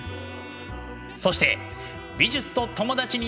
そして美術と友達になろう！